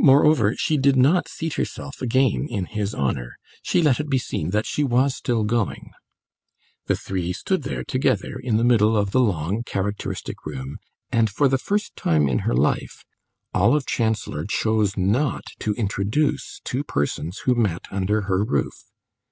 Moreover, she did not seat herself again in his honour; she let it be seen that she was still going. The three stood there together in the middle of the long, characteristic room, and, for the first time in her life, Olive Chancellor chose not to introduce two persons who met under her roof.